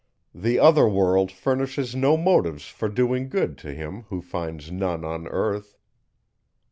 The other world furnishes no motives for doing good, to him, who finds none on earth.